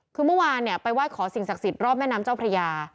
คือเมื่อวานเนี่ยไปไหว้ขอสิ่งศักดิ์สิทธิ์รอบแม่น้ำเจ้าพระยา